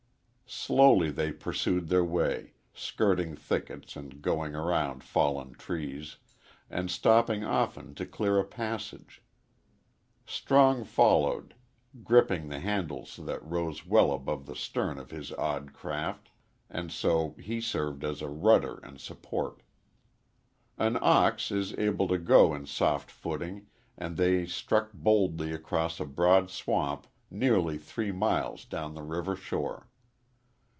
Slowly they pursued their way, skirting thickets and going around fallen trees, and stopping often to clear a passage. Strong followed, gripping the handles that rose well above the stern of his odd craft, and so he served as a rudder and support. An ox is able to go in soft footing, and they struck boldly across a broad swamp nearly three miles down the river shore.